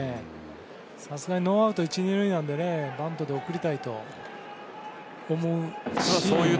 さすがにノーアウト１、２塁なんでバントで送りたいと思う。